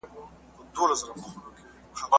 د ګوندونو پخواني نسل په عناد کي عمر وواهه.